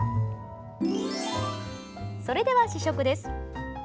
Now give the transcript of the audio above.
それでは試食です。